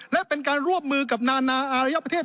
และเป็นการร่วมมือกับนานาอารยประเทศ